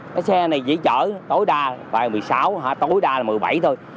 cái xe này chỉ chở tối đa một mươi sáu tối đa một mươi bảy thôi